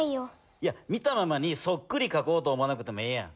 いや見たままにそっくりかこうと思わなくてもええやん。